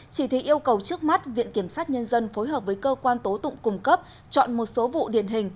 chỉ thị yêu cầu trước mắt viện kiểm sát nhân dân phối hợp với cơ quan tố tụng cung cấp chọn một số vụ điển hình